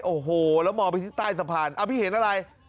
โอ้โหแล้วมองไปที่ใต้สะพานพี่เห็นอะไร